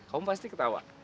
kamu pasti ketawa